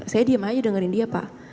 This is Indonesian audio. saya diem aja dengerin dia pak